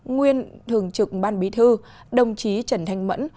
nguyên thường trực ban bí thư đồng chí trần thanh mẫn